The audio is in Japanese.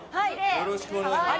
よろしくお願いします。